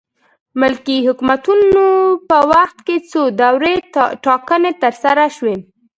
ملکي حکومتونو په وخت کې څو دورې ټاکنې ترسره شوې.